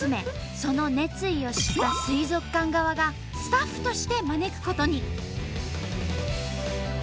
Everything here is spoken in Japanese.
その熱意を知った水族館側がスタッフとして招くことに。